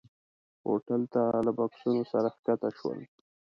هوټل ته له بکسونو سره ښکته شول.